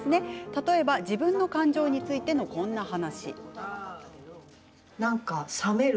例えば自分の感情についてのこんな話。